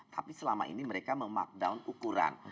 tapi selama ini mereka memakdown ukuran